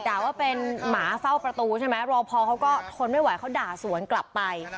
ด่าว่าเป็นหมาเฝ้าประตูใช่ไหมรอพอเขาก็ทนไม่ไหวเขาด่าสวนกลับไป